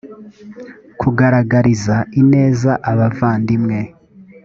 kugaragariza ineza abavandimwe